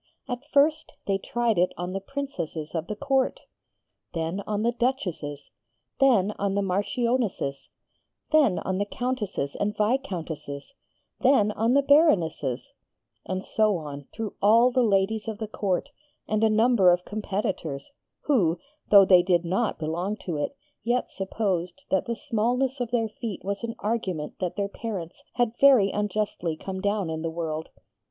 At first they tried it on the Princesses of the Court: Then on the Duchesses: Then on the Marchionesses: Then on the Countesses and Viscountesses: Then on the Baronesses: And so on, through all the ladies of the Court, and a number of competitors, who, though they did not belong to it, yet supposed that the smallness of their feet was an argument that their parents had very unjustly come down in the world.